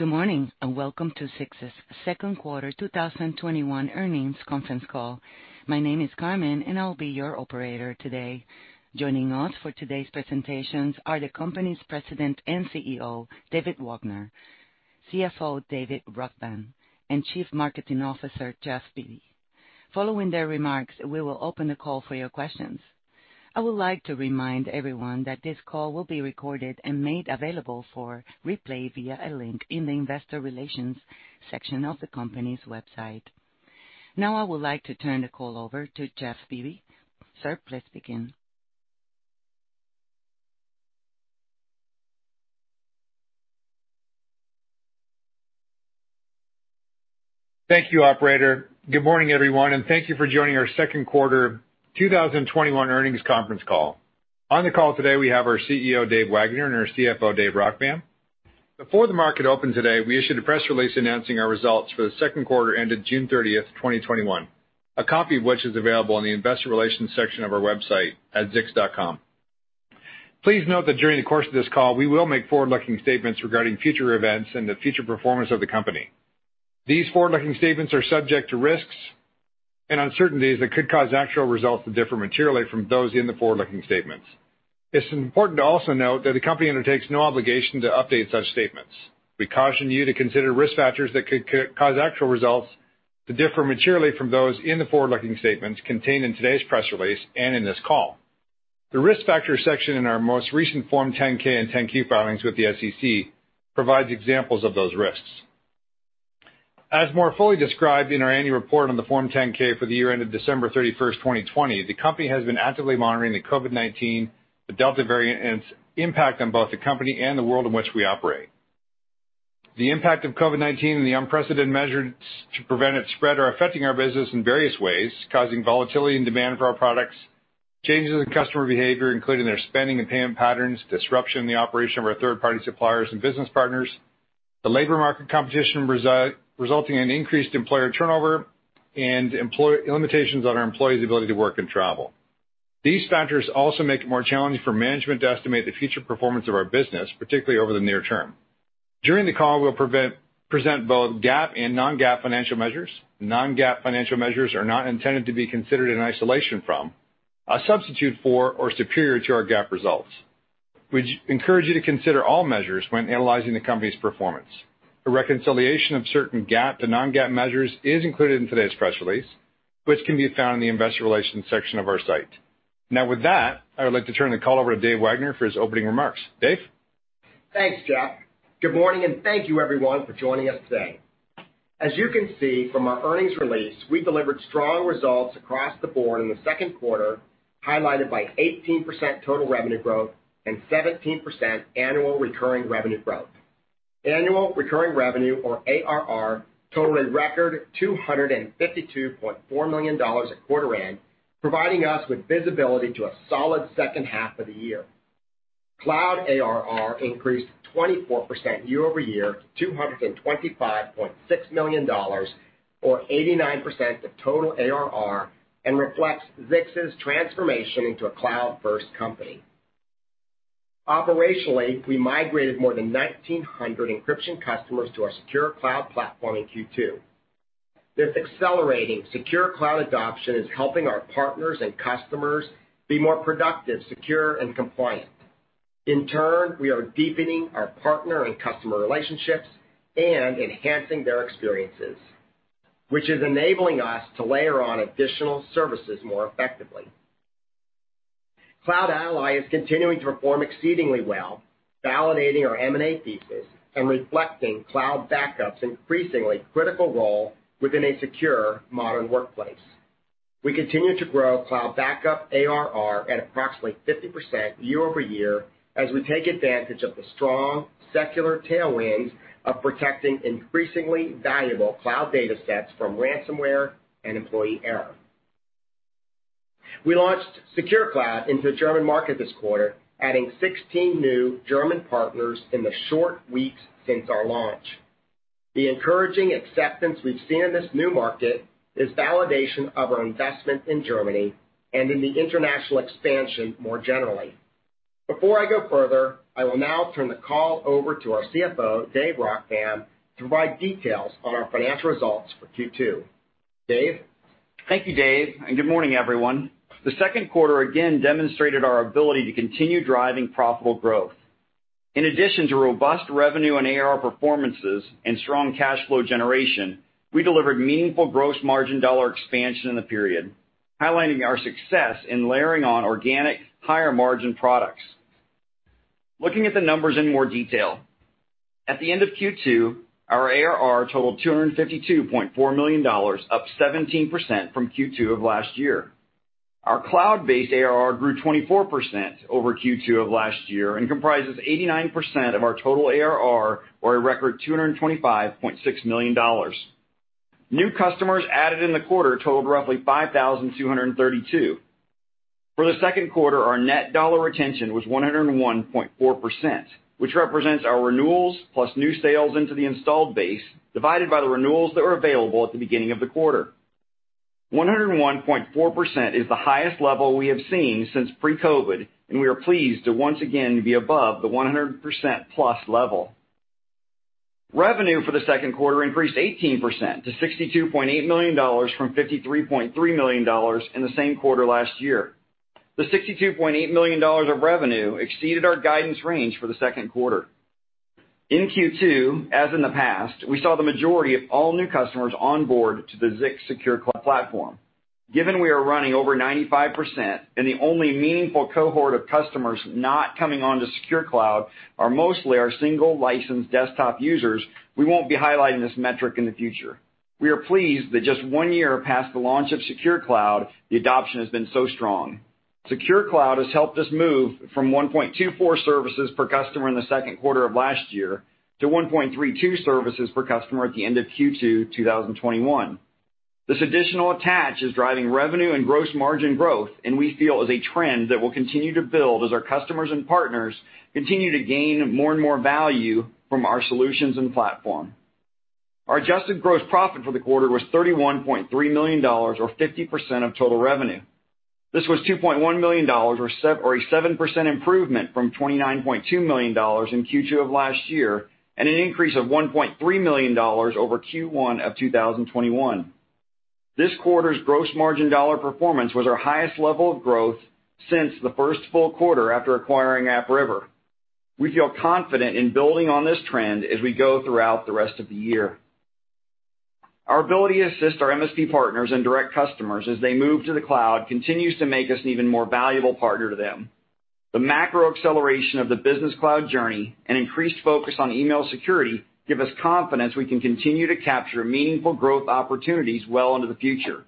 Good morning, and welcome to Zix's second quarter 2021 earnings conference call. My name is Carmen, and I'll be your operator today. Joining us for today's presentations are the company's President and CEO, David Wagner, CFO, David Rockvam, and Chief Marketing Officer, Geoff Bibby. Following their remarks, we will open the call for your questions. I would like to remind everyone that this call will be recorded and made available for replay via a link in the investor relations section of the company's website. I would like to turn the call over to Geoff Bibby. Sir, please begin. Thank you, operator. Good morning, everyone, and thank you for joining our second quarter 2021 earnings conference call. On the call today, we have our CEO, Dave Wagner, and our CFO, Dave Rockvam. Before the market opened today, we issued a press release announcing our results for the second quarter ended June 30th, 2021. A copy of which is available on the investor relations section of our website at zix.com. Please note that during the course of this call, we will make forward-looking statements regarding future events and the future performance of the company. These forward-looking statements are subject to risks and uncertainties that could cause actual results to differ materially from those in the forward-looking statements. It's important to also note that the company undertakes no obligation to update such statements. We caution you to consider risk factors that could cause actual results to differ materially from those in the forward-looking statements contained in today's press release and in this call. The risk factor section in our most recent Form 10-K and 10-Q filings with the SEC provides examples of those risks. As more fully described in our annual report on the Form 10-K for the year ended December 31st, 2020, the company has been actively monitoring the COVID-19, the Delta variant, and its impact on both the company and the world in which we operate. The impact of COVID-19 and the unprecedented measures to prevent its spread are affecting our business in various ways, causing volatility in demand for our products, changes in customer behavior, including their spending and payment patterns, disruption in the operation of our third-party suppliers and business partners, the labor market competition resulting in increased employer turnover, and limitations on our employees' ability to work and travel. These factors also make it more challenging for management to estimate the future performance of our business, particularly over the near term. During the call, we'll present both GAAP and non-GAAP financial measures. Non-GAAP financial measures are not intended to be considered in isolation from, a substitute for, or superior to our GAAP results. We encourage you to consider all measures when analyzing the company's performance. A reconciliation of certain GAAP to non-GAAP measures is included in today's press release, which can be found in the investor relations section of our site. With that, I would like to turn the call over to David Wagner for his opening remarks. David? Thanks, Geoff. Good morning, thank you everyone for joining us today. As you can see from our earnings release, we delivered strong results across the board in the second quarter, highlighted by 18% total revenue growth and 17% annual recurring revenue growth. Annual recurring revenue, or ARR, totaled a record $252.4 million at quarter end, providing us with visibility to a solid second half of the year. Cloud ARR increased 24% year-over-year to $225.6 million, or 89% of total ARR, and reflects Zix's transformation into a cloud-first company. Operationally, we migrated more than 1,900 encryption customers to our secure cloud platform in Q2. This accelerating secure cloud adoption is helping our partners and customers be more productive, secure, and compliant. In turn, we are deepening our partner and customer relationships and enhancing their experiences, which is enabling us to layer on additional services more effectively CloudAlly is continuing to perform exceedingly well, validating our M&A thesis and reflecting Cloud Backup's increasingly critical role within a secure modern workplace. We continue to grow Cloud Backup ARR at approximately 50% year-over-year as we take advantage of the strong secular tailwinds of protecting increasingly valuable cloud data sets from ransomware and employee error. We launched Secure Cloud into the German market this quarter, adding 16 new German partners in the short weeks since our launch. The encouraging acceptance we've seen in this new market is validation of our investment in Germany and in the international expansion more generally. Before I go further, I will now turn the call over to our CFO, Dave Rockvam, to provide details on our financial results for Q2. Dave? Thank you, Dave, and good morning, everyone. The second quarter again demonstrated our ability to continue driving profitable growth. In addition to robust revenue and ARR performances and strong cash flow generation, we delivered meaningful gross margin dollar expansion in the period, highlighting our success in layering on organic higher-margin products. Looking at the numbers in more detail, at the end of Q2, our ARR totaled $252.4 million, up 17% from Q2 of last year. Our cloud-based ARR grew 24% over Q2 of last year and comprises 89% of our total ARR or a record $225.6 million. New customers added in the quarter totaled roughly 5,232. For the second quarter, our net dollar retention was 101.4%, which represents our renewals plus new sales into the installed base, divided by the renewals that were available at the beginning of the quarter. 101.4% is the highest level we have seen since pre-COVID-19, and we are pleased to once again be above the 100%+ level. Revenue for the second quarter increased 18% to $62.8 million from $53.3 million in the same quarter last year. The $62.8 million of revenue exceeded our guidance range for the second quarter. In Q2, as in the past, we saw the majority of all new customers onboard to the Zix Secure Cloud platform. Given we are running over 95% and the only meaningful cohort of customers not coming onto Secure Cloud are mostly our single license desktop users, we won't be highlighting this metric in the future. We are pleased that just one year past the launch of Secure Cloud, the adoption has been so strong. Secure Cloud has helped us move from 1.24 services per customer in the second quarter of last year to 1.32 services per customer at the end of Q2 2021. This additional attach is driving revenue and gross margin growth, and we feel is a trend that will continue to build as our customers and partners continue to gain more and more value from our solutions and platform. Our adjusted gross profit for the quarter was $31.3 million, or 50% of total revenue. This was $2.1 million, or a 7% improvement from $29.2 million in Q2 of last year, and an increase of $1.3 million over Q1 of 2021. This quarter's gross margin dollar performance was our highest level of growth since the first full quarter after acquiring AppRiver. We feel confident in building on this trend as we go throughout the rest of the year. Our ability to assist our MSP partners and direct customers as they move to the cloud continues to make us an even more valuable partner to them. The macro acceleration of the business cloud journey and increased focus on email security give us confidence we can continue to capture meaningful growth opportunities well into the future.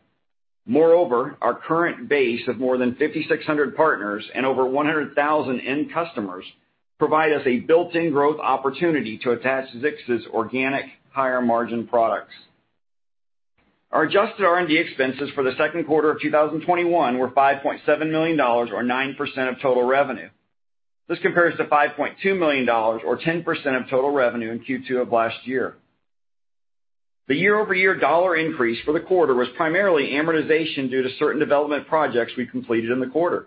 Moreover, our current base of more than 5,600 partners and over 100,000 end customers provide us a built-in growth opportunity to attach Zix's organic higher margin products. Our adjusted R&D expenses for the second quarter of 2021 were $5.7 million, or 9% of total revenue. This compares to $5.2 million, or 10% of total revenue in Q2 of last year. The year-over-year dollar increase for the quarter was primarily amortization due to certain development projects we completed in the quarter.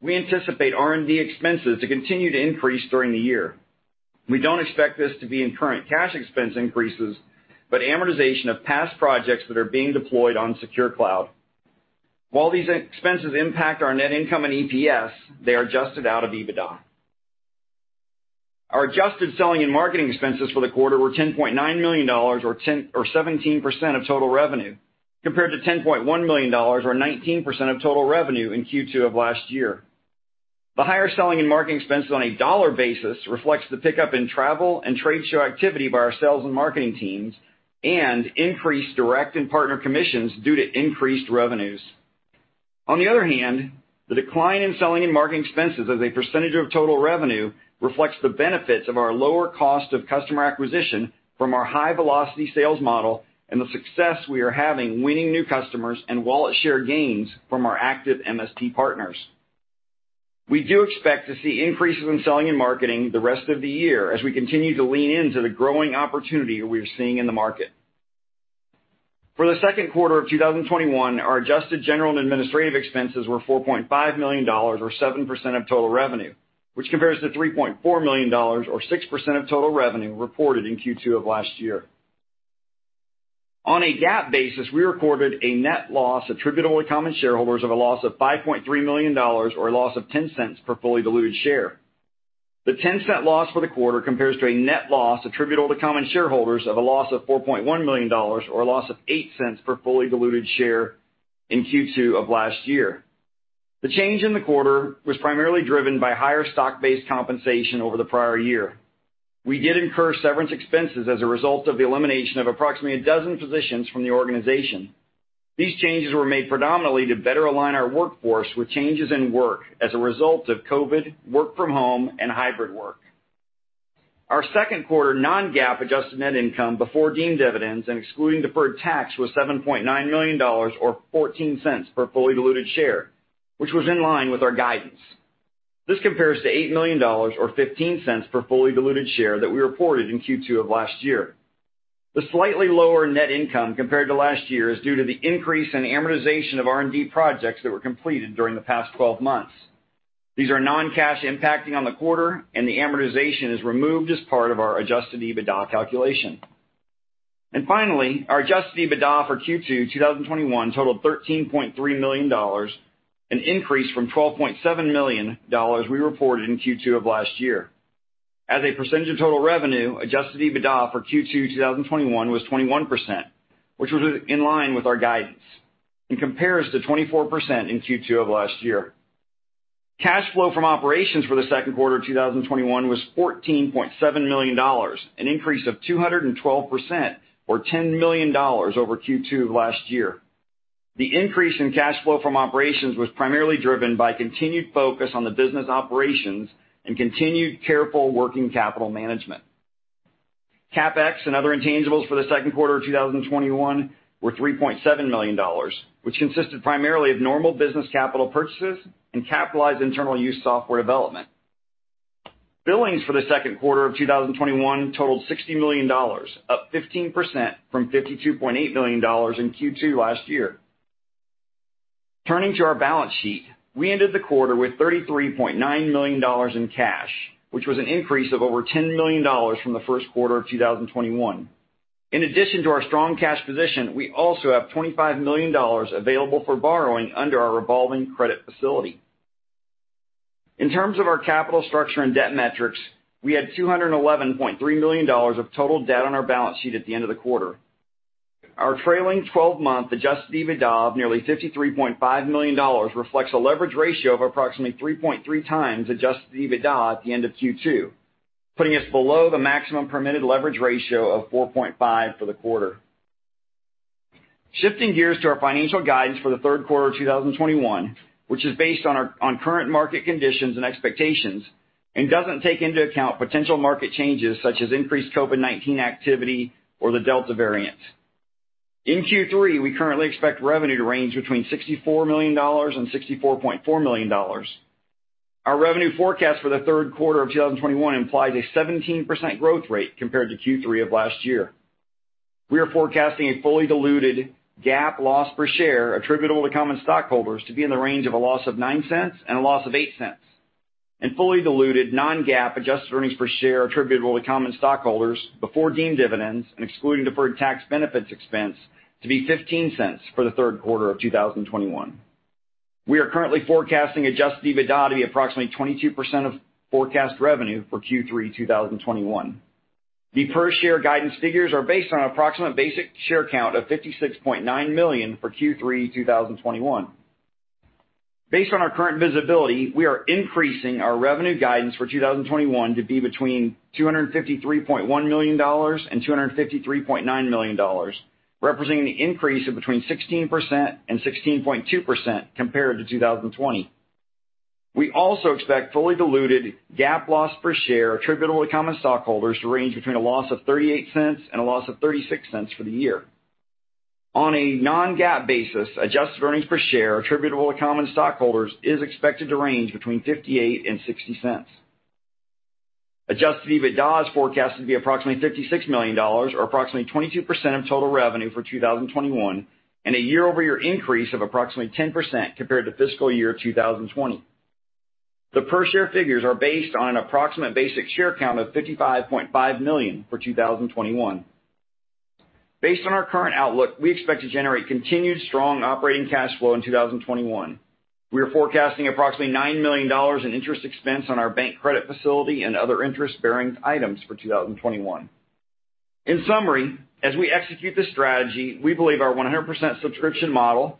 We anticipate R&D expenses to continue to increase during the year. We don't expect this to be in current cash expense increases, but amortization of past projects that are being deployed on Secure Cloud. While these expenses impact our net income and EPS, they are adjusted out of EBITDA. Our adjusted selling and marketing expenses for the quarter were $10.9 million or 17% of total revenue, compared to $10.1 million or 19% of total revenue in Q2 of last year. The higher selling and marketing expenses on a dollar basis reflects the pickup in travel and trade show activity by our sales and marketing teams and increased direct and partner commissions due to increased revenues. On the other hand, the decline in selling and marketing expenses as a percentage of total revenue reflects the benefits of our lower cost of customer acquisition from our high velocity sales model and the success we are having winning new customers and wallet share gains from our active MSP partners. We do expect to see increases in selling and marketing the rest of the year as we continue to lean into the growing opportunity we are seeing in the market. For the second quarter of 2021, our adjusted general and administrative expenses were $4.5 million, or 7% of total revenue, which compares to $3.4 million, or 6% of total revenue reported in Q2 of last year. On a GAAP basis, we recorded a net loss attributable to common shareholders of a loss of $5.3 million, or a loss of $0.10 per fully diluted share. The $0.10 loss for the quarter compares to a net loss attributable to common shareholders of a loss of $4.1 million, or a loss of $0.08 per fully diluted share in Q2 of last year. The change in the quarter was primarily driven by higher stock-based compensation over the prior year. We did incur severance expenses as a result of the elimination of approximately 12 positions from the organization. These changes were made predominantly to better align our workforce with changes in work as a result of COVID-19, work from home, and hybrid work. Our second quarter non-GAAP adjusted net income before deemed dividends and excluding deferred tax was $7.9 million, or $0.14 per fully diluted share, which was in line with our guidance. This compares to $8 million, or $0.15 per fully diluted share that we reported in Q2 of last year. The slightly lower net income compared to last year is due to the increase in amortization of R&D projects that were completed during the past 12 months. These are non-cash impacting on the quarter. The amortization is removed as part of our adjusted EBITDA calculation. Finally, our adjusted EBITDA for Q2 2021 totaled $13.3 million, an increase from $12.7 million we reported in Q2 of last year. As a percentage of total revenue, adjusted EBITDA for Q2 2021 was 21%, which was in line with our guidance and compares to 24% in Q2 of last year. Cash flow from operations for the second quarter of 2021 was $14.7 million, an increase of 212%, or $10 million over Q2 of last year. The increase in cash flow from operations was primarily driven by continued focus on the business operations and continued careful working capital management. CapEx and other intangibles for the second quarter of 2021 were $3.7 million, which consisted primarily of normal business capital purchases and capitalized internal use software development. Billings for the second quarter of 2021 totaled $60 million, up 15% from $52.8 million in Q2 last year. Turning to our balance sheet, we ended the quarter with $33.9 million in cash, which was an increase of over $10 million from the first quarter of 2021. In addition to our strong cash position, we also have $25 million available for borrowing under our revolving credit facility. In terms of our capital structure and debt metrics, we had $211.3 million of total debt on our balance sheet at the end of the quarter. Our trailing 12-month adjusted EBITDA of nearly $53.5 million reflects a leverage ratio of approximately 3.3x adjusted EBITDA at the end of Q2, putting us below the maximum permitted leverage ratio of 4.5 for the quarter. Shifting gears to our financial guidance for the third quarter of 2021, which is based on current market conditions and expectations, and doesn't take into account potential market changes such as increased COVID-19 activity or the Delta variant. In Q3, we currently expect revenue to range between $64 million and $64.4 million. Our revenue forecast for the third quarter of 2021 implies a 17% growth rate compared to Q3 of last year. We are forecasting a fully diluted GAAP loss per share attributable to common stockholders to be in the range of a loss of $0.09 and a loss of $0.08, and fully diluted non-GAAP adjusted earnings per share attributable to common stockholders before deemed dividends and excluding deferred tax benefits expense to be $0.15 for the 3rd quarter of 2021. We are currently forecasting adjusted EBITDA to be approximately 22% of forecast revenue for Q3 2021. The per-share guidance figures are based on approximate basic share count of 56.9 million for Q3 2021. Based on our current visibility, we are increasing our revenue guidance for 2021 to be between $253.1 million and $253.9 million, representing an increase of between 16% and 16.2% compared to 2020. We also expect fully diluted GAAP loss per share attributable to common stockholders to range between a loss of $0.38 and a loss of $0.36 for the year. On a non-GAAP basis, adjusted earnings per share attributable to common stockholders is expected to range between $0.58 and $0.60. Adjusted EBITDA is forecasted to be approximately $56 million or approximately 22% of total revenue for 2021, and a year-over-year increase of approximately 10% compared to fiscal year 2020. The per-share figures are based on an approximate basic share count of 55.5 million for 2021. Based on our current outlook, we expect to generate continued strong operating cash flow in 2021. We are forecasting approximately $9 million in interest expense on our bank credit facility and other interest-bearing items for 2021. In summary, as we execute this strategy, we believe our 100% subscription model,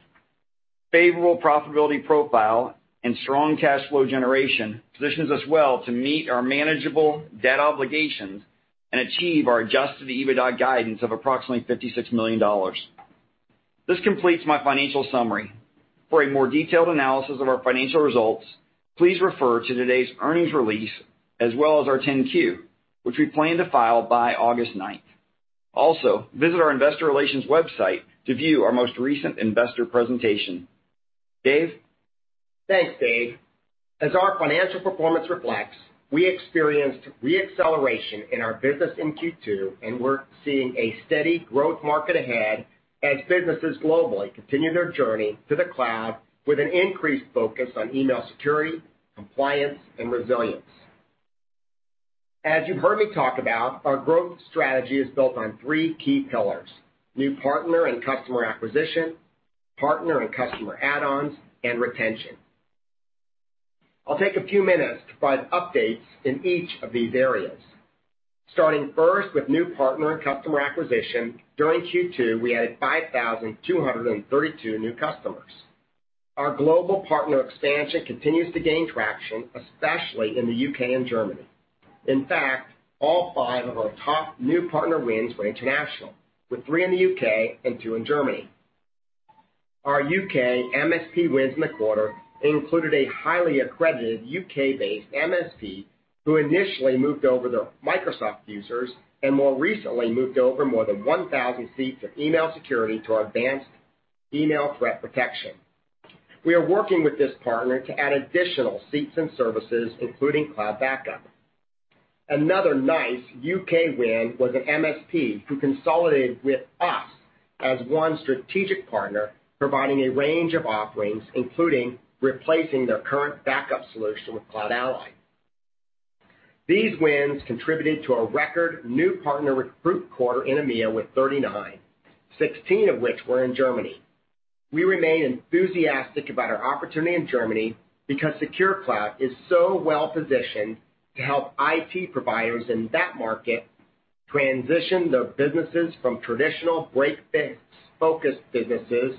favorable profitability profile, and strong cash flow generation positions us well to meet our manageable debt obligations and achieve our adjusted EBITDA guidance of approximately $56 million. This completes my financial summary. For a more detailed analysis of our financial results, please refer to today's earnings release as well as our 10-Q, which we plan to file by August 9th. Visit our investor relations website to view our most recent investor presentation. Dave? Thanks, Dave. As our financial performance reflects, we experienced re-acceleration in our business in Q2, and we're seeing a steady growth market ahead as businesses globally continue their journey to the cloud with an increased focus on email security, compliance, and resilience. As you've heard me talk about, our growth strategy is built on three key pillars, new partner and customer acquisition, partner and customer add-ons, and retention. I'll take a few minutes to provide updates in each of these areas. Starting first with new partner and customer acquisition. During Q2, we added 5,232 new customers. Our global partner expansion continues to gain traction, especially in the U.K. and Germany. In fact, all five of our top new partner wins were international, with three in the U.K. and two in Germany. Our U.K. MSP wins in the quarter included a highly accredited U.K.-based MSP, who initially moved over their Microsoft users, and more recently moved over more than 1,000 seats of email security to our Advanced Email Threat Protection. We are working with this partner to add additional seats and services, including Cloud Backup. Another nice U.K. win was an MSP who consolidated with us as one strategic partner, providing a range of offerings, including replacing their current backup solution with CloudAlly. These wins contributed to a record new partner recruit quarter in EMEA with 39, 16 of which were in Germany. We remain enthusiastic about our opportunity in Germany because Secure Cloud is so well positioned to help IT providers in that market transition their businesses from traditional break-fix-focused businesses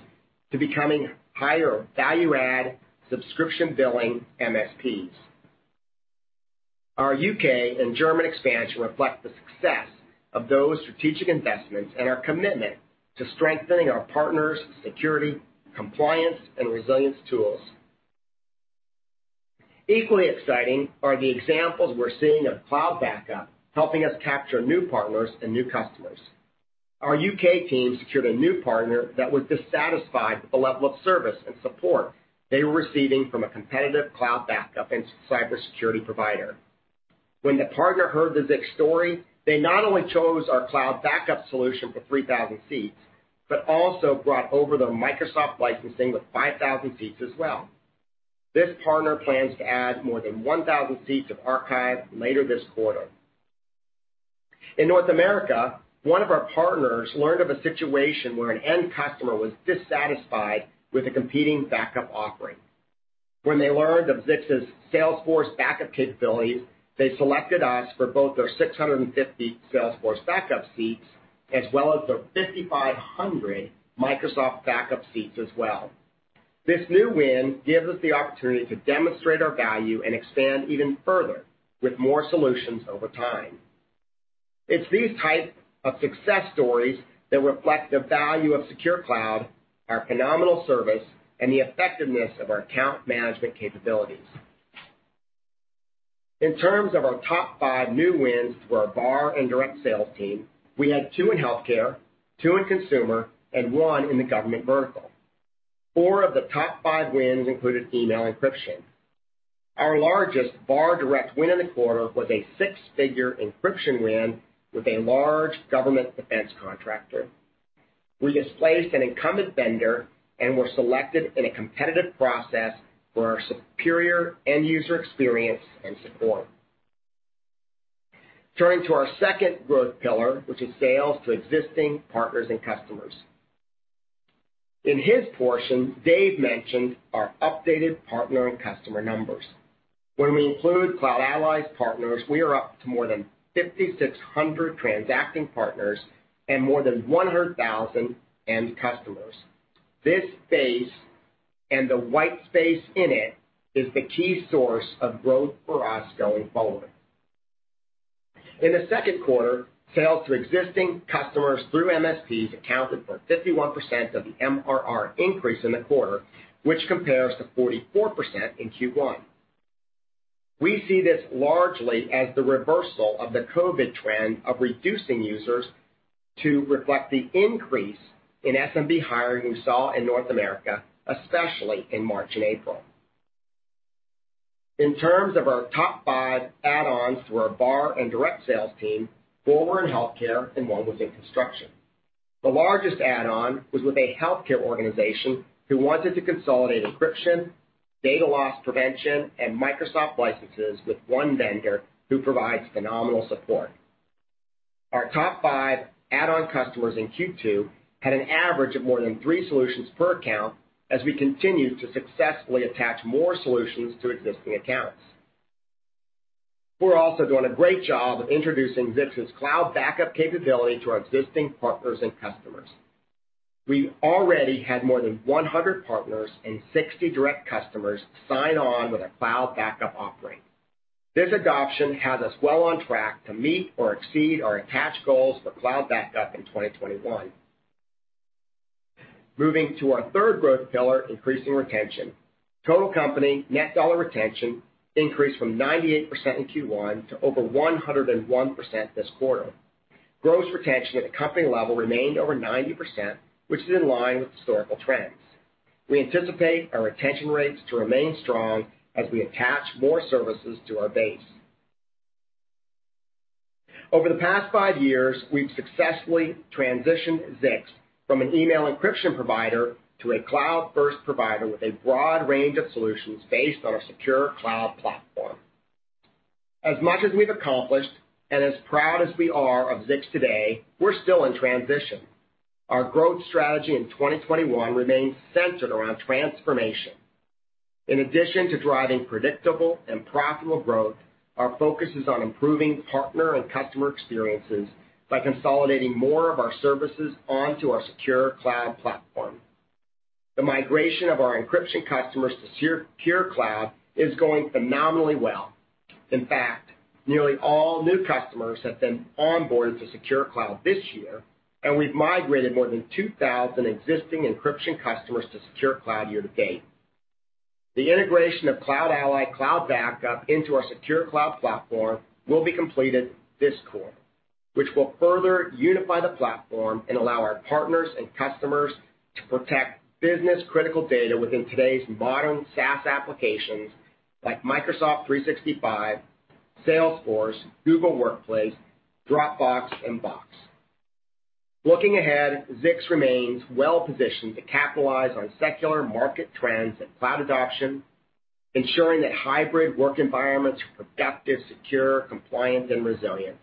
to becoming higher value add subscription billing MSPs. Our U.K. and German expansion reflect the success of those strategic investments and our commitment to strengthening our partners' security, compliance, and resilience tools. Equally exciting are the examples we're seeing of Cloud Backup helping us capture new partners and new customers. Our U.K. team secured a new partner that was dissatisfied with the level of service and support they were receiving from a competitive Cloud Backup and cybersecurity provider. When the partner heard the Zix story, they not only chose our Cloud Backup solution for 3,000 seats, but also brought over their Microsoft licensing with 5,000 seats as well. This partner plans to add more than 1,000 seats of archive later this quarter. In North America, one of our partners learned of a situation where an end customer was dissatisfied with a competing backup offering. When they learned of Zix's Salesforce backup capabilities, they selected us for both their 650 Salesforce backup seats as well as their 5,500 Microsoft backup seats as well. This new win gives us the opportunity to demonstrate our value and expand even further, with more solutions over time. It's these type of success stories that reflect the value of Secure Cloud, our phenomenal service, and the effectiveness of our account management capabilities. In terms of our top five new wins through our VAR and direct sales team, we had two in healthcare, two in consumer, and one in the government vertical. Four of the top five wins included email encryption. Our largest VAR direct win in the quarter was a six-figure encryption win with a large government defense contractor. We displaced an incumbent vendor and were selected in a competitive process for our superior end-user experience and support. Turning to our second growth pillar, which is sales to existing partners and customers. In his portion, Dave mentioned our updated partner and customer numbers. When we include CloudAlly's partners, we are up to more than 5,600 transacting partners and more than 100,000 end customers. This base, and the white space in it, is the key source of growth for us going forward. In the second quarter, sales to existing customers through MSPs accounted for 51% of the MRR increase in the quarter, which compares to 44% in Q1. We see this largely as the reversal of the COVID trend of reducing users to reflect the increase in SMB hiring we saw in North America, especially in March and April. In terms of our top five add-ons through our VAR and direct sales team, four were in healthcare and one was in construction. The largest add-on was with a healthcare organization who wanted to consolidate encryption, Data Loss Prevention, and Microsoft licenses with one vendor who provides phenomenal support. Our top five add-on customers in Q2 had an average of more than three solutions per account, as we continue to successfully attach more solutions to existing accounts. We're also doing a great job of introducing Zix's Cloud Backup capability to our existing partners and customers. We've already had more than 100 partners and 60 direct customers sign on with our Cloud Backup offering. This adoption has us well on track to meet or exceed our attach goals for Cloud Backup in 2021. Moving to our third growth pillar, increasing retention. Total company net dollar retention increased from 98% in Q1 to over 101% this quarter. Gross retention at a company level remained over 90%, which is in line with historical trends. We anticipate our retention rates to remain strong as we attach more services to our base. Over the past five years, we've successfully transitioned Zix from an email encryption provider to a cloud-first provider with a broad range of solutions based on our Secure Cloud platform. As much as we've accomplished, and as proud as we are of Zix today, we're still in transition. Our growth strategy in 2021 remains centered around transformation. In addition to driving predictable and profitable growth, our focus is on improving partner and customer experiences by consolidating more of our services onto our Secure Cloud platform. The migration of our encryption customers to Secure Cloud is going phenomenally well. In fact, nearly all new customers have been onboarded to Secure Cloud this year, and we've migrated more than 2,000 existing encryption customers to Secure Cloud year to date. The integration of CloudAlly cloud backup into our Secure Cloud platform will be completed this quarter, which will further unify the platform and allow our partners and customers to protect business-critical data within today's modern SaaS applications like Microsoft 365, Salesforce, Google Workspace, Dropbox, and Box. Looking ahead, Zix remains well-positioned to capitalize on secular market trends and cloud adoption, ensuring that hybrid work environments are productive, secure, compliant, and resilient.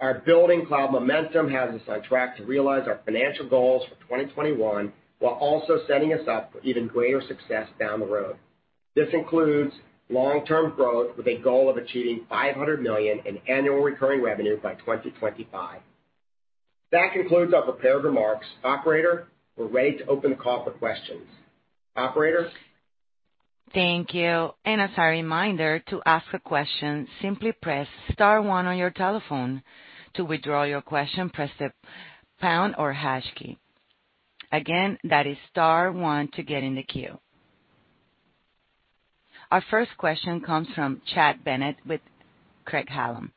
Our building cloud momentum has us on track to realize our financial goals for 2021 while also setting us up for even greater success down the road. This includes long-term growth with a goal of achieving $500 million in annual recurring revenue by 2025. That concludes our prepared remarks. Operator, we're ready to open the call for questions. Operator? Thank you. As a reminder, to ask a question, simply press star one on your telephone. To withdraw your question, press the pound or hash key. Again, that is star one to get in the queue. Our first question comes from Chad Bennett with Craig-Hallum.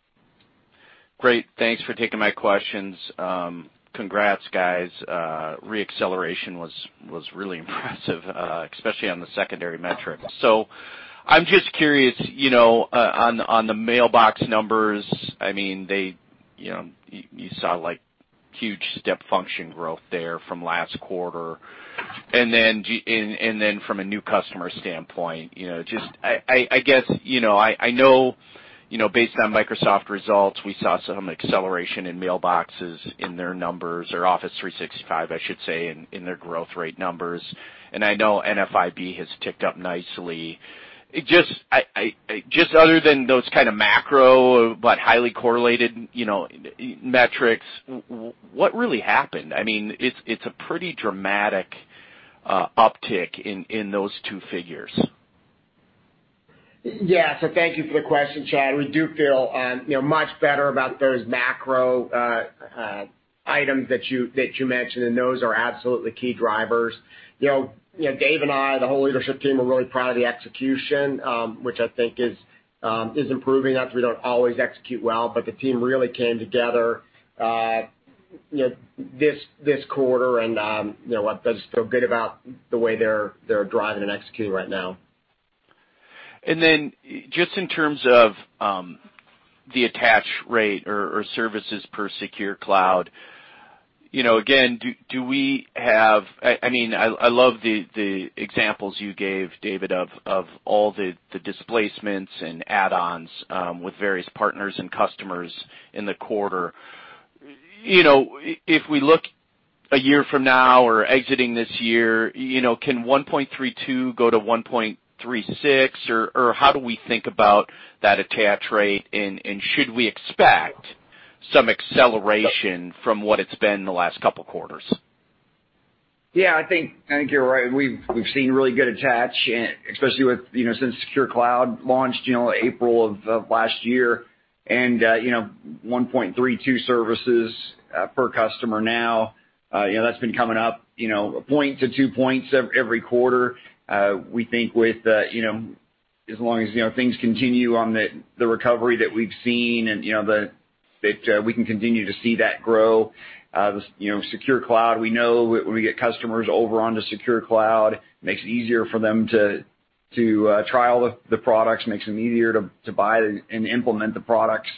Great. Thanks for taking my questions. Congrats, guys. Re-acceleration was really impressive, especially on the secondary metrics. I'm just curious, on the mailbox numbers, you saw huge step function growth there from last quarter. From a new customer standpoint, I know based on Microsoft results, we saw some acceleration in mailboxes in their numbers, or Office 365, I should say, in their growth rate numbers. I know NFIB has ticked up nicely. Other than those kind of macro but highly correlated metrics, what really happened? It's a pretty dramatic uptick in those two figures. Yeah. Thank you for the question, Chad. We do feel much better about those macro items that you mentioned, and those are absolutely key drivers. Dave and I, the whole leadership team, are really proud of the execution, which I think is improving. Not that we don't always execute well, but the team really came together this quarter, and I just feel good about the way they're driving and executing right now. Just in terms of the attach rate or services per Secure Cloud, again, I love the examples you gave, David, of all the displacements and add-ons with various partners and customers in the quarter. If we look a year from now or exiting this year, can 1.32 go to 1.36? How do we think about that attach rate, and should we expect some acceleration from what it's been the last couple of quarters? Yeah, I think you're right. We've seen really good attach, especially since Secure Cloud launched April of last year. One point three two services per customer now, that's been coming up one point to two points every quarter. We think as long as things continue on the recovery that we've seen, that we can continue to see that grow. Secure Cloud, we know when we get customers over onto Secure Cloud, makes it easier for them to try all the products, makes it easier to buy and implement the products.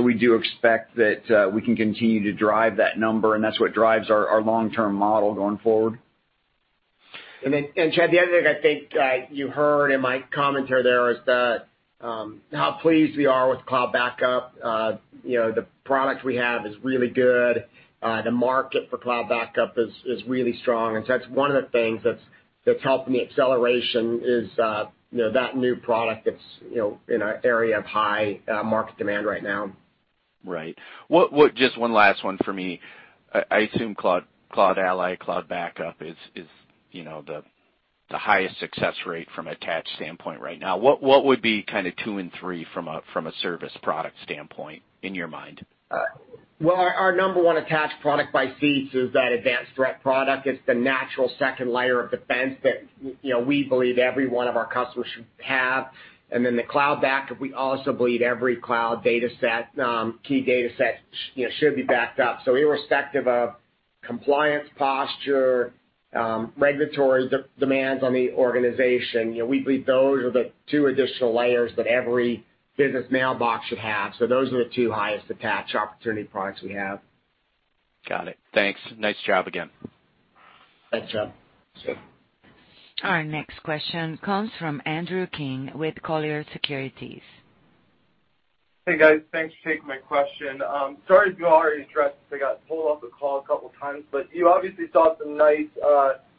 We do expect that we can continue to drive that number, and that's what drives our long-term model going forward. Chad, the other thing I think you heard in my commentary there is how pleased we are with Cloud Backup. The product we have is really good. The market for Cloud Backup is really strong, and so that's one of the things that's helping the acceleration is that new product that's in an area of high market demand right now. Right. Just one last one for me. I assume CloudAlly, Cloud Backup is the highest success rate from attach standpoint right now. What would be kind of two and three from a service product standpoint in your mind? Well, our number one attach product by seats is that Advanced Email Threat Protection. It's the natural second layer of defense that we believe every one of our customers should have. The Cloud Backup, we also believe every cloud data set, key data set, should be backed up. Irrespective of compliance posture, regulatory demands on the organization, we believe those are the two additional layers that every business mailbox should have. Those are the two highest attach opportunity products we have. Got it. Thanks. Nice job again. Thanks, Chad. Sure. Our next question comes from Andrew King with Colliers Securities. Hey, guys. Thanks for taking my question. Sorry if you already addressed this, I got pulled off the call a couple of times, you obviously saw some nice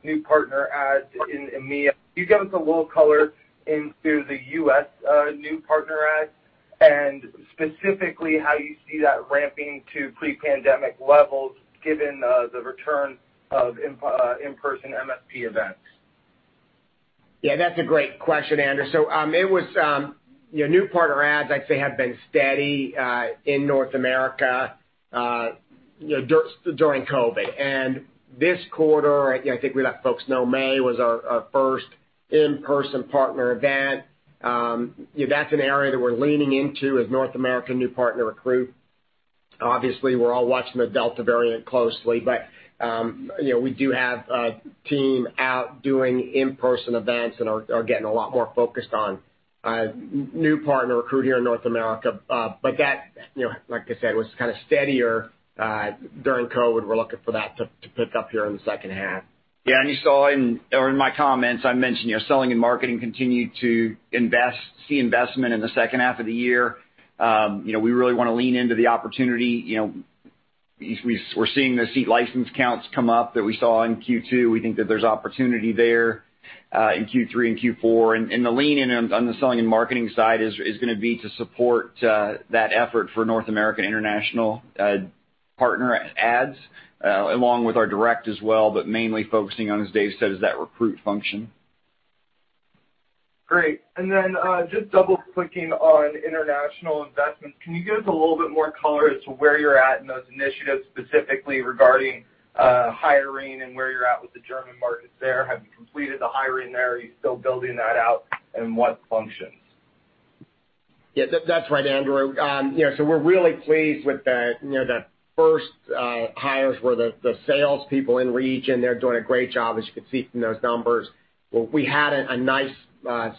new partner adds in EMEA. Can you give us a little color into the U.S. new partner adds, and specifically how you see that ramping to pre-pandemic levels given the return of in-person MSP events? Yeah, that's a great question, Andrew. It was new partner adds, I'd say, have been steady in North America during COVID. This quarter, I think we let folks know May was our first in-person partner event. That's an area that we're leaning into as North America new partner recruit. Obviously, we're all watching the Delta variant closely. We do have a team out doing in-person events and are getting a lot more focused on new partner recruit here in North America. That, like I said, was kind of steadier during COVID. We're looking for that to pick up here in the second half. Yeah, you saw in my comments, I mentioned selling and marketing continue to see investment in the second half of the year. We really want to lean into the opportunity. We're seeing the seat license counts come up that we saw in Q2. We think that there's opportunity there in Q3 and Q4. The lean in on the selling and marketing side is going to be to support that effort for North America international partner adds, along with our direct as well, but mainly focusing on, as Dave said, is that recruit function. Great. Just double-clicking on international investments, can you give us a little bit more color as to where you're at in those initiatives, specifically regarding where you're at with the German markets there, have you completed the hiring there? Are you still building that out? What functions? Yeah, that's right, Andrew. We're really pleased with the first hires were the salespeople in region. They're doing a great job, as you can see from those numbers. We had a nice,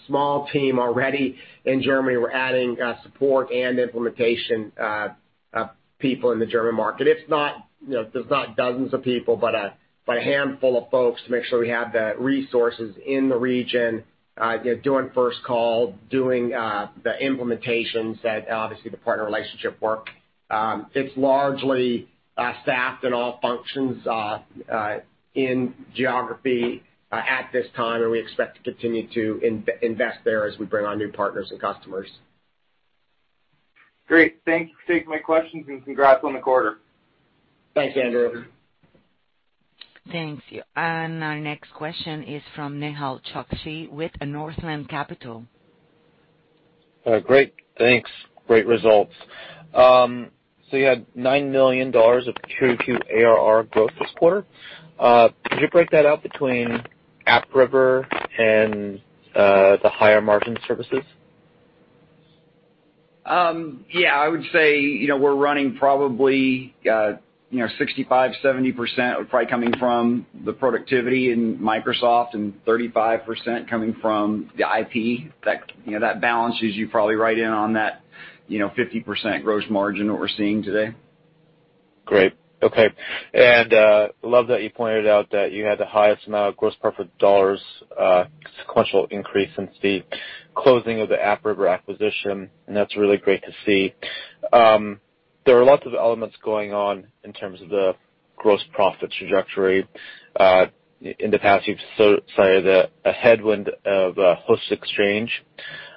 small team already in Germany. We're adding support and implementation people in the German market. It's not dozens of people, but a handful of folks to make sure we have the resources in the region doing first call, doing the implementations that obviously the partner relationship work. It's largely staffed in all functions in geography at this time, and we expect to continue to invest there as we bring on new partners and customers. Great. Thanks for taking my questions, and congrats on the quarter. Thanks, Andrew. Thank you. Our next question is from Nehal Chokshi with Northland Capital. Great. Thanks. Great results. You had $9 million of Q2 ARR growth this quarter. Could you break that out between AppRiver and the higher margin services? I would say, we're running probably 65%-70% probably coming from the productivity in Microsoft and 35% coming from the IP. That balances you probably right in on that 50% gross margin, what we're seeing today. Great. Okay. Love that you pointed out that you had the highest amount of gross profit dollars sequential increase since the closing of the AppRiver acquisition, and that's really great to see. There are lots of elements going on in terms of the gross profit trajectory. In the past, you've cited a headwind of a host Exchange.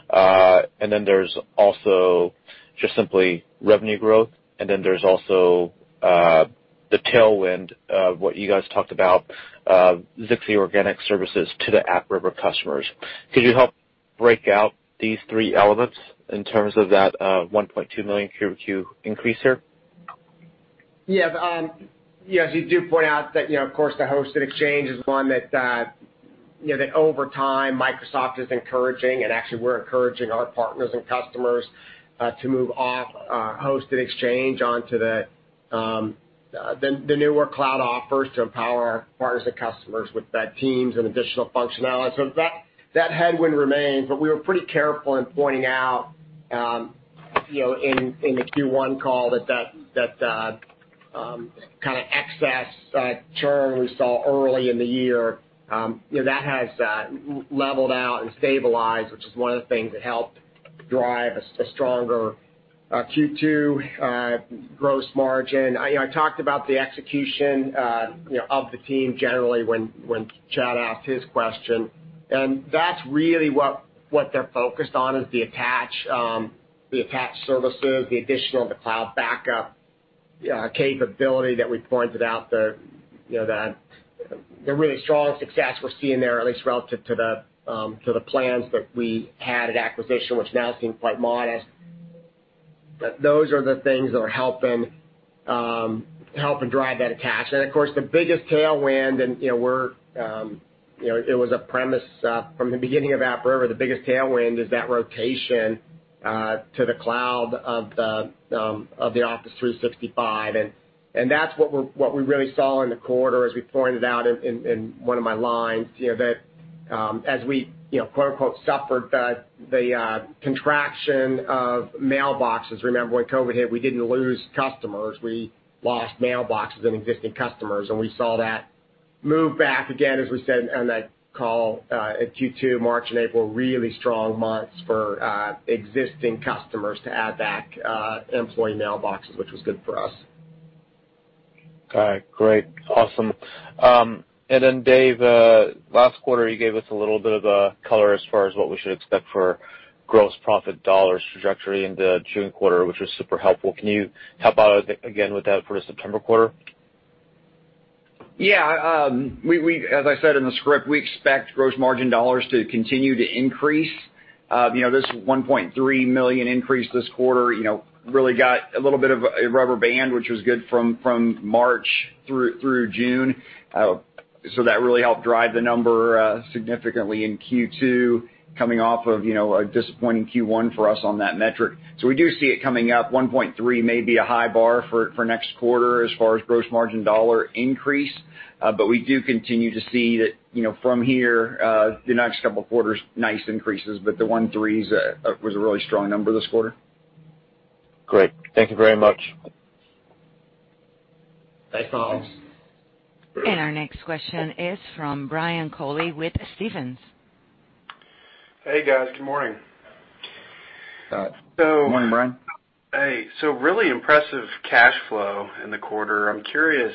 Then there's also just simply revenue growth, and then there's also the tailwind of what you guys talked about, Zix organic services to the AppRiver customers. Could you help break out these three elements in terms of that $1.2 million Q2 increase here? Yes. You do point out that, of course, the hosted Exchange is one that over time, Microsoft is encouraging, and actually, we're encouraging our partners and customers to move off hosted Exchange onto the newer cloud offers to empower our partners and customers with that Teams and additional functionality. That headwind remains, but we were pretty careful in pointing out in the Q1 call that that kind of excess churn we saw early in the year, that has leveled out and stabilized, which is one of the things that helped drive a stronger Q2 gross margin. I talked about the execution of the team generally when Chad asked his question. That's really what they're focused on is the attach services, the additional, the Cloud Backup capability that we pointed out there, the really strong success we're seeing there, at least relative to the plans that we had at acquisition, which now seem quite modest. Of course, the biggest tailwind, it was a premise from the beginning of AppRiver, the biggest tailwind is that rotation to the cloud of the Office 365. That's what we really saw in the quarter, as we pointed out in one of my lines, that as we quote, unquote, "suffered" the contraction of mailboxes. Remember when COVID hit, we didn't lose customers. We lost mailboxes and existing customers, and we saw that move back again, as we said on that call at Q2, March and April, really strong months for existing customers to add back employee mailboxes, which was good for us. Got it. Great. Awesome. Dave, last quarter, you gave us a little bit of a color as far as what we should expect for gross profit dollars trajectory in the June quarter, which was super helpful. Can you help out again with that for the September quarter? Yeah. As I said in the script, we expect gross margin dollars to continue to increase. This $1.3 million increase this quarter really got a little bit of a rubber band, which was good from March through June. That really helped drive the number significantly in Q2, coming off of a disappointing Q1 for us on that metric. We do see it coming up. $1.3 may be a high bar for next quarter as far as gross margin dollar increase. We do continue to see that from here, the next couple of quarters, nice increases, but the $1.3 was a really strong number this quarter. Great. Thank you very much. Thanks, Nehal. Our next question is from Brian Colley with Stephens. Hey, guys. Good morning. Good morning, Brian. Hey. Really impressive cash flow in the quarter. I'm curious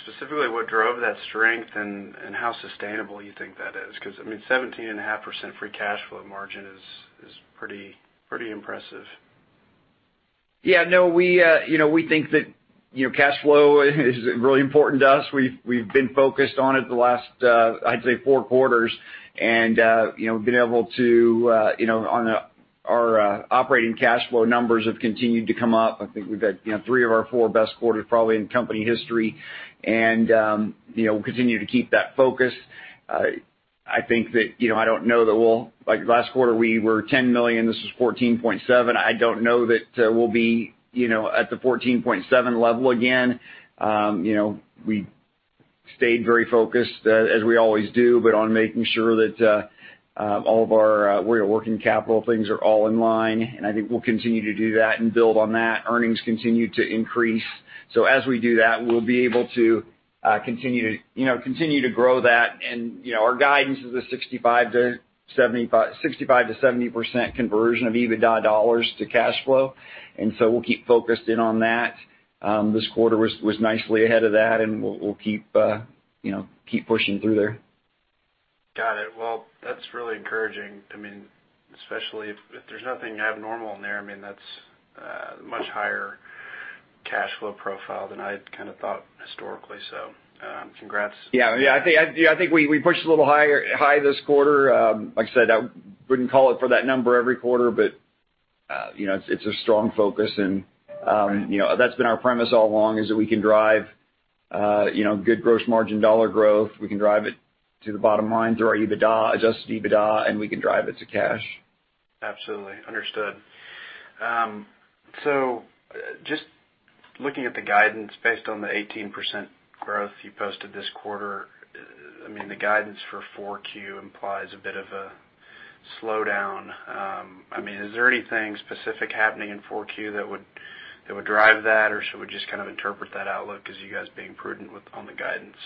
specifically what drove that strength and how sustainable you think that is, because 17.5% free cash flow margin is pretty impressive. Yeah. We think that cash flow is really important to us. We've been focused on it the last, I'd say, four quarters, and been able to on a. Our operating cash flow numbers have continued to come up. I think we've had three of our four best quarters probably in company history. We'll continue to keep that focus. I don't know that we'll Like last quarter, we were $10 million, this was $14.7 million. I don't know that we'll be at the $14.7 million level again. We stayed very focused as we always do, but on making sure that all of our working capital things are all in line, and I think we'll continue to do that and build on that. Earnings continue to increase. As we do that, we'll be able to continue to grow that and our guidance is a 65%-70% conversion of EBITDA dollars to cash flow, and so we'll keep focused in on that. This quarter was nicely ahead of that, and we'll keep pushing through there. Got it. Well, that's really encouraging, especially if there's nothing abnormal in there, that's a much higher cash flow profile than I'd thought historically. Congrats. Yeah. I think we pushed a little high this quarter. Like I said, I wouldn't call for that number every quarter, but it's a strong focus and that's been our premise all along is that we can drive good gross margin dollar growth, we can drive it to the bottom line through our EBITDA, adjusted EBITDA, and we can drive it to cash. Absolutely. Understood. Just looking at the guidance based on the 18% growth you posted this quarter, the guidance for 4Q implies a bit of a slowdown. Is there anything specific happening in 4Q that would drive that, or should we just interpret that outlook as you guys being prudent on the guidance?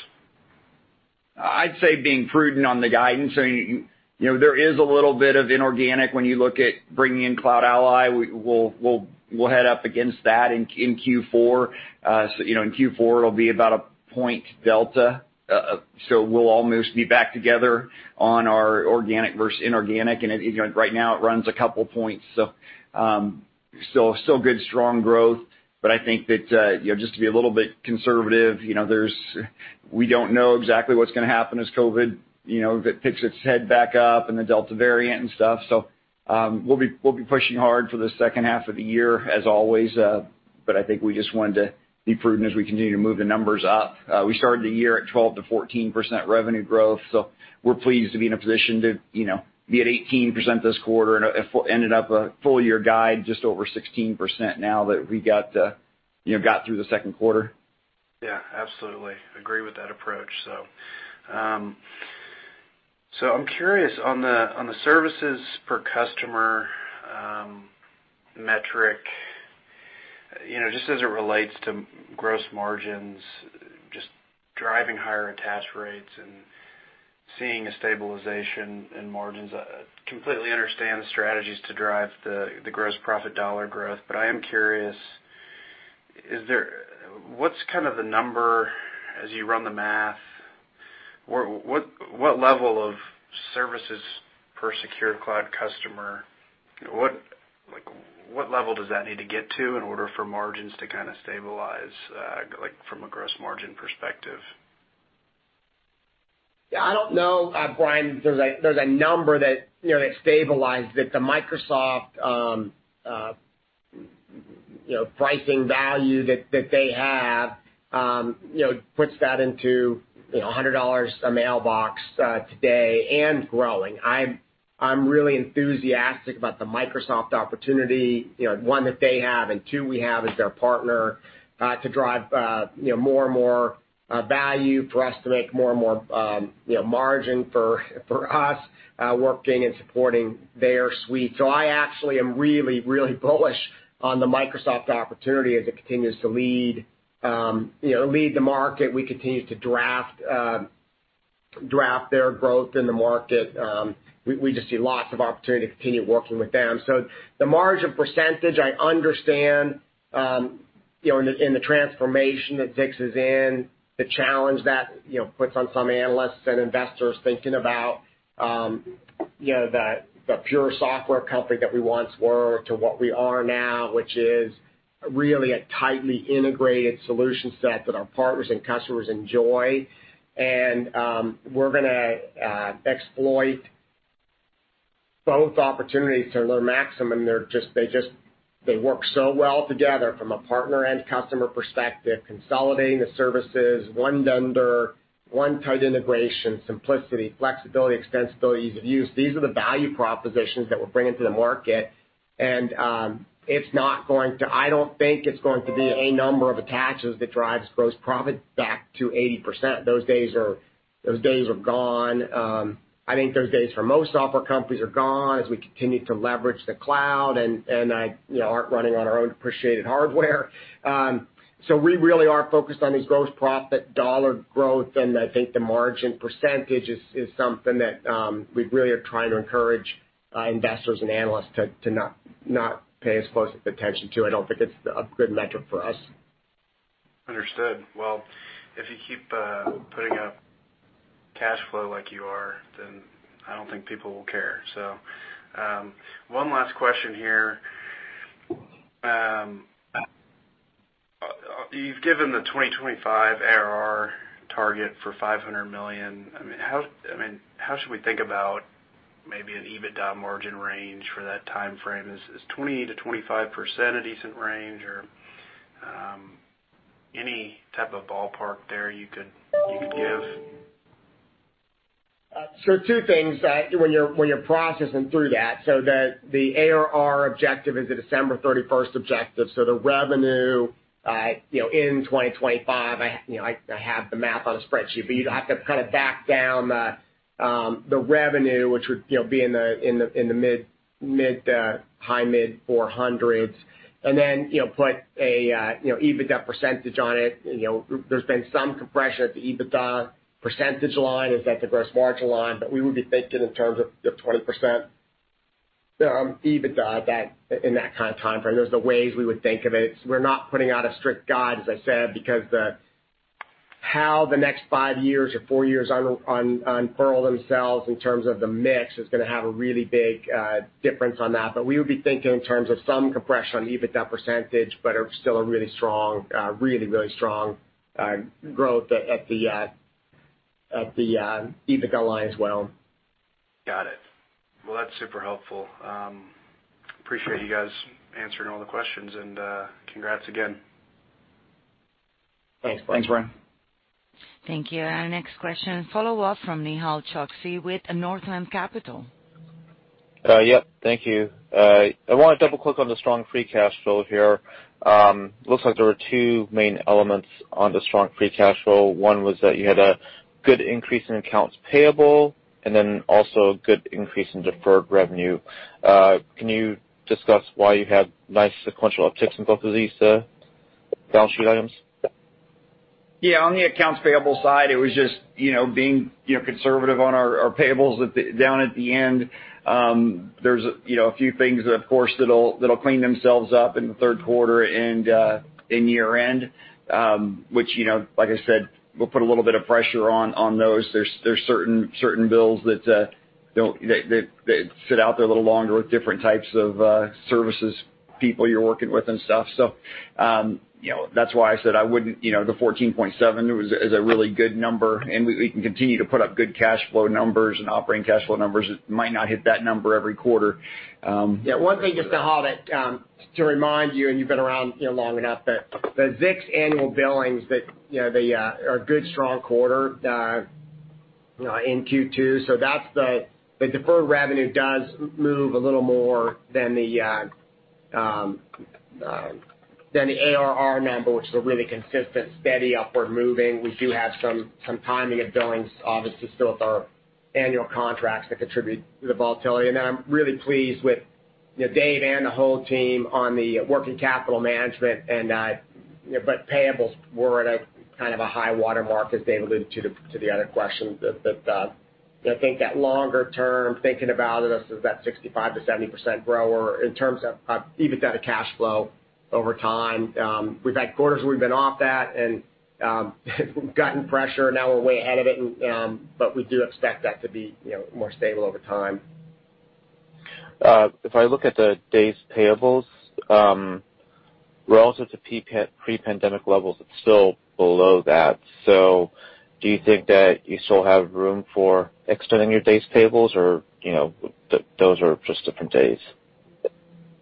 I'd say being prudent on the guidance. There is a little bit of inorganic when you look at bringing in CloudAlly. We'll head up against that in Q4. In Q4, it'll be about a point delta. We'll almost be back together on our organic versus inorganic, and right now it runs a couple points. Still good strong growth, but I think that just to be a little bit conservative, we don't know exactly what's going to happen as COVID, if it picks its head back up and the Delta variant and stuff. We'll be pushing hard for the second half of the year as always. I think we just wanted to be prudent as we continue to move the numbers up. We started the year at 12%-14% revenue growth, so we're pleased to be in a position to be at 18% this quarter and it ended up a full year guide just over 16% now that we got through the second quarter. Yeah, absolutely. Agree with that approach. I'm curious on the services per customer metric, just as it relates to gross margins, just driving higher attach rates and seeing a stabilization in margins. I completely understand the strategies to drive the gross profit dollar growth, I am curious, what's the number as you run the math? What level of services per Secure Cloud customer, what level does that need to get to in order for margins to stabilize from a gross margin perspective? Yeah, I don't know, Brian, there's a number that stabilized that the Microsoft pricing value that they have puts that into $100 a mailbox today and growing. I'm really enthusiastic about the Microsoft opportunity, one that they have, and two, we have as their partner, to drive more and more value for us to make more and more margin for us working and supporting their suite. I actually am really bullish on the Microsoft opportunity as it continues to lead the market. We continue to draft their growth in the market. We just see lots of opportunity to continue working with them. The margin percentage, I understand in the transformation that Zix is in, the challenge that puts on some analysts and investors thinking about the pure software company that we once were to what we are now, which is really a tightly integrated solution set that our partners and customers enjoy. We're going to exploit both opportunities to their maximum. They work so well together from a partner and customer perspective, consolidating the services, one vendor, one tight integration, simplicity, flexibility, extensibility, ease of use. These are the value propositions that we're bringing to the market. I don't think it's going to be a number of attaches that drives gross profit back to 80%. Those days are gone. I think those days for most software companies are gone as we continue to leverage the cloud, and aren't running on our own appreciated hardware. We really are focused on this gross profit dollar growth, and I think the margin percentage is something that we really are trying to encourage investors and analysts to not pay as close attention to. I don't think it's a good metric for us. Understood. If you keep putting up cash flow like you are, then I don't think people will care. One last question here. You've given the 2025 ARR target for $500 million. How should we think about maybe an EBITDA margin range for that timeframe? Is 20%-25% a decent range? Any type of ballpark there you could give? Two things when you're processing through that. The ARR objective is a December 31st objective. The revenue in 2025, I have the math on a spreadsheet, but you'd have to kind of back down the revenue, which would be in the mid to high mid 400s and then put a EBITDA percentage on it. There's been some compression at the EBITDA percentage line. Is that the gross margin line? We would be thinking in terms of 20% EBITDA in that kind of timeframe. Those are the ways we would think of it. We're not putting out a strict guide, as I said, because how the next five years or four years unfurl themselves in terms of the mix is going to have a really big difference on that. We would be thinking in terms of some compression on EBITDA percentage, but still a really strong growth at the EBITDA line as well. Got it. Well, that's super helpful. Appreciate you guys answering all the questions and congrats again. Thanks. Thanks, Brian. Thank you. Our next question, follow-up from Nehal Chokshi with Northland Capital. Yeah, thank you. I want to double-click on the strong free cash flow here. Looks like there were two main elements on the strong free cash flow. One was that you had a good increase in accounts payable and then also a good increase in deferred revenue. Can you discuss why you had nice sequential upticks in both of these balance sheet items? Yeah, on the accounts payable side, it was just being conservative on our payables down at the end. There's a few things that, of course, that'll clean themselves up in the third quarter and in year-end, which, like I said, we'll put a little bit of pressure on those. There's certain bills that sit out there a little longer with different types of services people you're working with and stuff. That's why I said the $14.7 is a really good number, and we can continue to put up good cash flow numbers and operating cash flow numbers. It might not hit that number every quarter. Yeah. One thing, just to hold it, to remind you, and you've been around long enough, that Zix annual billings had a good strong quarter in Q2. That's the deferred revenue does move a little more than the ARR number, which is a really consistent, steady upward moving. We do have some timing of billings, obviously, still with our annual contracts that contribute to the volatility. I'm really pleased with Dave and the whole team on the working capital management. Payables were at a kind of a high-water mark, as Dave alluded to the other questions that I think that longer-term thinking about it as that 65%-70% grower in terms of EBITDA to cash flow over time. We've had quarters where we've been off that and gotten pressure. Now we're way ahead of it. We do expect that to be more stable over time. If I look at the days payables, relative to pre-pandemic levels, it's still below that. Do you think that you still have room for extending your days payables, or those are just different days?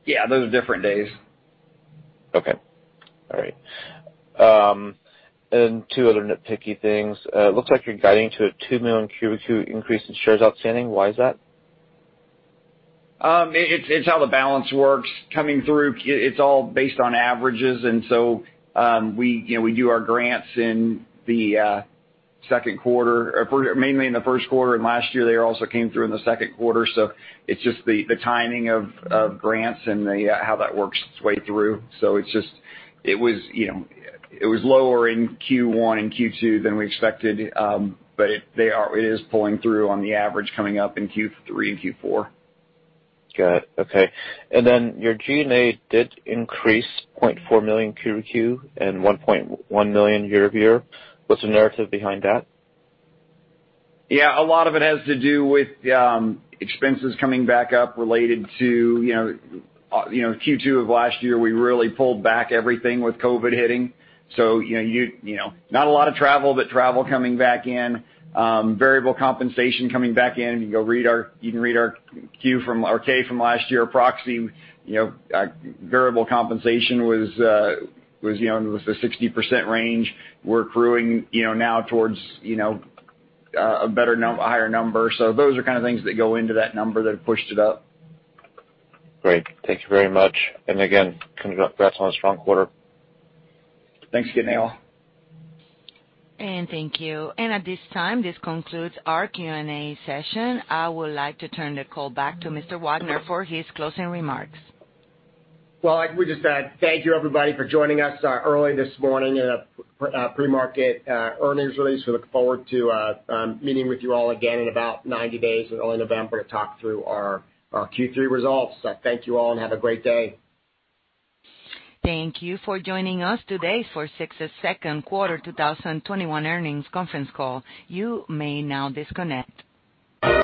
Yeah, those are different days. Okay. All right. Two other nitpicky things. It looks like you're guiding to a $2 million Q-over-Q increase in shares outstanding. Why is that? It's how the balance works coming through. It's all based on averages, we do our grants in the second quarter, mainly in the first quarter. Last year, they also came through in the second quarter. It's just the timing of grants and how that works its way through. It was lower in Q1 and Q2 than we expected. It is pulling through on the average coming up in Q3 and Q4. Got it. Okay. Your G&A did increase $0.4 million Q-over-Q and $1.1 million year-over-year. What's the narrative behind that? Yeah, a lot of it has to do with expenses coming back up related to Q2 of last year. We really pulled back everything with COVID hitting. Not a lot of travel, but travel coming back in, variable compensation coming back in. You can read our 10-K from last year proxy. Variable compensation was the 60% range. We're accruing now towards a higher number. Those are kind of things that go into that number that have pushed it up. Great. Thank you very much. Again, congrats on a strong quarter. Thanks again, Nehal. Thank you. At this time, this concludes our Q&A session. I would like to turn the call back to Mr. Wagner for his closing remarks. Well, I would just add thank you everybody for joining us early this morning in a pre-market earnings release. We look forward to meeting with you all again in about 90 days in early November to talk through our Q3 results. Thank you all and have a great day. Thank you for joining us today for Zix's second quarter 2021 earnings conference call.